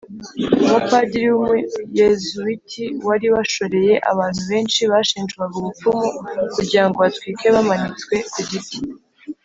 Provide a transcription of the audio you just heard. umupadiri w Umuyezuwiti wari washoreye abantu benshi bashinjwaga ubupfumu kugira ngo batwikwe bamanitswe ku giti